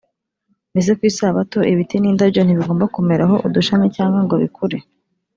Mbese ku Isabato ibiti n’indabyo ntibigomba kumeraho udushami cyangwa ngo bikure?